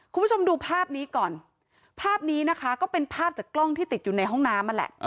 คุณผู้ชมดูภาพนี้ก่อนภาพนี้นะคะก็เป็นภาพจากกล้องที่ติดอยู่ในห้องน้ำนั่นแหละ